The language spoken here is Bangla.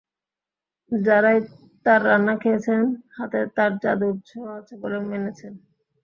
যাঁরাই তাঁর রান্না খেয়েছেন, হাতে তাঁর জাদুর ছোঁয়া আছে বলে মেনেছেন।